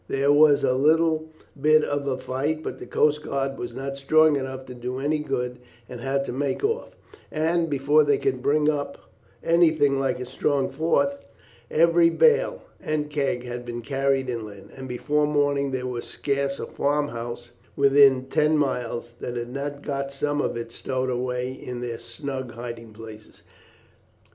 There was a little bit of a fight, but the coast guard were not strong enough to do any good, and had to make off, and before they could bring up anything like a strong force, every bale and keg had been carried inland, and before morning there was scarce a farmhouse within ten miles that had not got some of it stowed away in their snug hiding places.